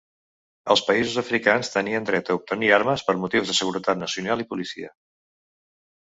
Els països africans tenien dret a obtenir armes per motius de seguretat nacional i policia.